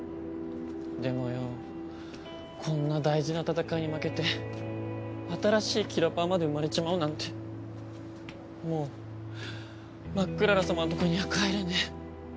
でもよぉこんな大事な戦いに負けて新しいキラパワまで生まれちまうなんてもうマックララ様のとこには帰れねえ。